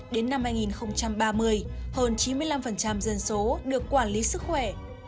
đến năm hai nghìn ba mươi hơn chín mươi năm dân số được quản lý sức khỏe